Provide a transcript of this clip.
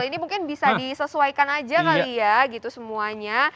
ini mungkin bisa disesuaikan aja kali ya gitu semuanya